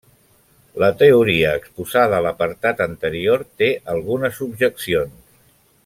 La teoria exposada a l'apartat anterior té algunes objeccions.